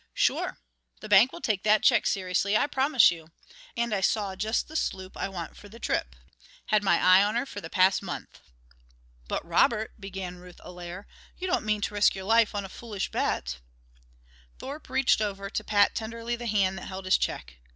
"Sure! The bank will take that check seriously, I promise you. And I saw just the sloop I want for the trip ... had my eye on her for the past month." "But, Robert," began Ruth Allaire, "you don't mean to risk your life on a foolish bet?" Thorpe reached over to pat tenderly the hand that held his check.